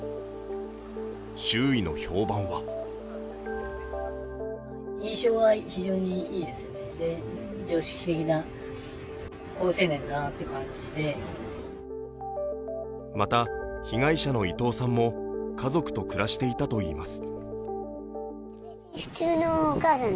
周囲の評判はまた被害者の伊藤さんも家族と暮らしていたといいます。